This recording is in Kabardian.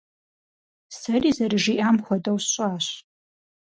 Сэри зэрыжиӀам хуэдэу сщӀащ.